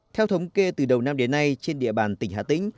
theo thống kê từ đầu năm đến nay trên địa bàn tỉnh hà tĩnh